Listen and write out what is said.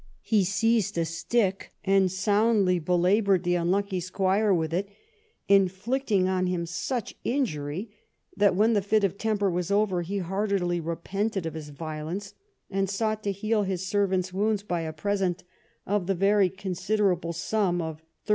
He seized a stick and soundly belaboured the unlucky squire with it, inflicting on him such injury that, when the fit of temper was over, he heartily repented of his violence and sought to heal his servant's wounds by a present of the very considerable sum of £13:6:8.